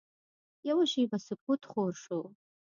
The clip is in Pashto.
یوه شېبه سکوت خور شو.